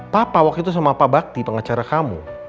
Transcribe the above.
papa waktu itu sama pak bakti pengacara kamu